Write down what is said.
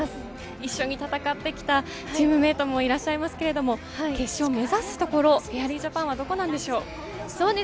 一緒に戦ってきたチームメートもいらっしゃいますけれど、決勝を目指すところ、フェアリージャパンはどこなんでしょう。